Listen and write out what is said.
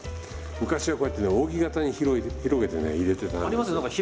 昔はこうやってね扇形に広げてね入れてた。